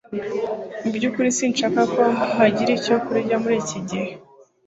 Mu byukuri sinshaka ko hagira icyo kurya muri iki gihe